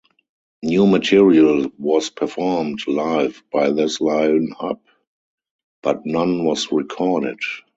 New material was performed live by this line-up, but none was recorded.